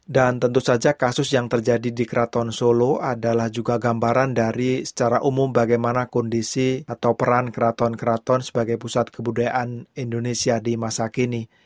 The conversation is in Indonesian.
dan tentu saja kasus yang terjadi di keraton solo adalah juga gambaran dari secara umum bagaimana kondisi atau peran keraton keraton sebagai pusat kebudayaan indonesia di masa kini